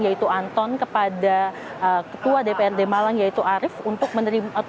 yaitu anton kepada ketua dprd malang yaitu arief